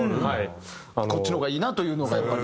こっちの方がいいなというのがやっぱり？